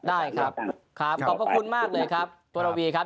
ได้ครับขอบคุณมากเลยครับโบราวีครับ